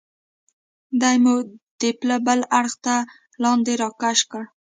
دی مو د پله بل اړخ ته لاندې را کش کړ.